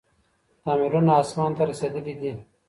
تعميرونه اسمان ته رسېدلي دي.